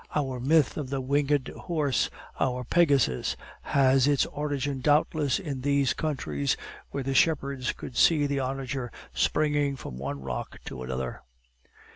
Our myth of the winged horse, our Pegasus, had its origin doubtless in these countries, where the shepherds could see the onager springing from one rock to another.